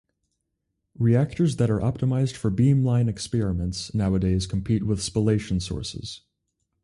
Reactors that are optimised for beamline experiments nowadays compete with spallation sources.